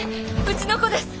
うちの子です。